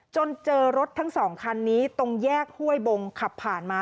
จนเจอรถทั้งสองคันนี้ตรงแยกห้วยบงขับผ่านมา